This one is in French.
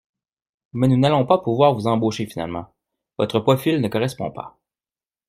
mais nous n’allons pas pouvoir vous embaucher finalement, votre profil ne correspond pas.